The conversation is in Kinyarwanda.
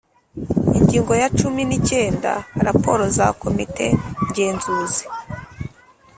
Ingingo ya cumi n’icyenda : Raporo za Komite Ngenzuzi